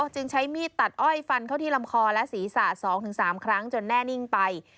จึงใช้มีดตัดอ้อยฟันเข้าที่ลำคอและศีรษะ๒๓ครั้งจนแน่นิ่งไป